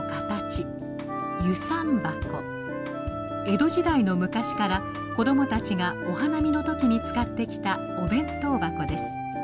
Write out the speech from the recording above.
江戸時代の昔から子供たちがお花見の時に使ってきたお弁当箱です。